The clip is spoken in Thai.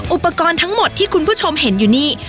อุปกรณ์ทั้งหมดที่คุณผู้ชมเห็นอยู่นี่